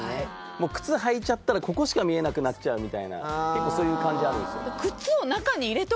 もう靴履いちゃったらここしか見えなくなっちゃうみたいな結構そういう感じあるんですよ